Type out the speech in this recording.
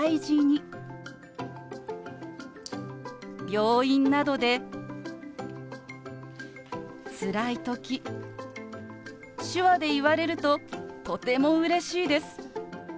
病院などでつらい時手話で言われるととてもうれしいです。